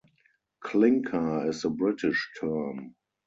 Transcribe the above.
Clinker is the British term.